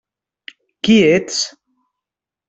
Qui ets?